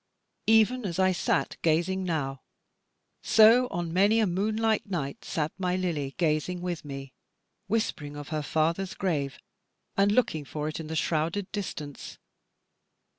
Even as I sat gazing now, so on many a moonlight night sat my Lily gazing with me, whispering of her father's grave, and looking for it in the shrouded distance.